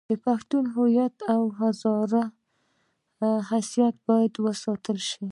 د پښتون هویت او د هزاره حیثیت باید وساتل شي.